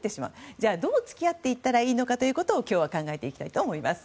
じゃあ、どう付き合っていったらいいのかを今日は考えていきたいと思います。